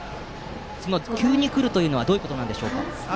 急に来るというのはどういうことでしょうか。